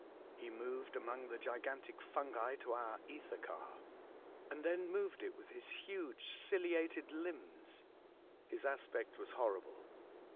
He moved among the gigantic fungi to our ether car, and then moved it with his .huge ciliated limbs. His aspect was hor rible.